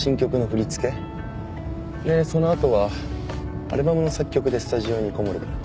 でその後はアルバムの作曲でスタジオにこもるから。